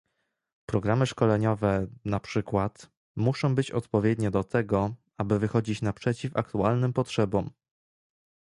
Programy szkoleniowe, na przykład, muszą być odpowiednie do tego, aby wychodzić naprzeciw aktualnym potrzebom